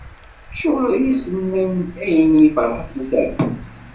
Acuɣer i as-tennam ayenni i Ferḥat n At Ɛebbas?